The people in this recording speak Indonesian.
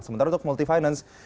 sementara untuk multifinance